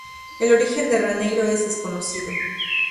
El origen de Raniero es desconocido.